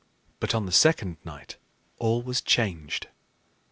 But on the second night all was changed.